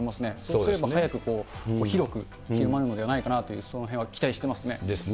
そうすれば早く、広く広まるのではないかなという、そのへんは期ですね。